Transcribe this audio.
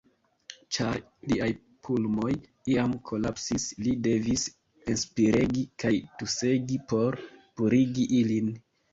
Ĉar liaj pulmoj iam kolapsis, li devis enspiregi kaj tusegi por purigi ilin.